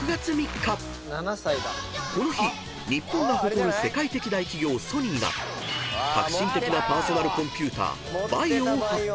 ［この日日本が誇る世界的大企業ＳＯＮＹが革新的なパーソナルコンピューター］